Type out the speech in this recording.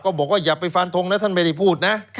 บอกว่าอย่าไปฟันทงนะท่านไม่ได้พูดนะ